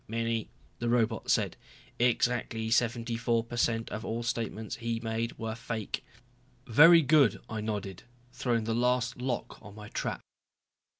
"Many," the robot said. "Exactly seventy four per cent of all statements he made were fake." "Very good," I nodded, throwing the last lock on my trap.